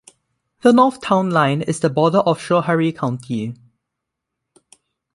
The north town line is the border of Schoharie County.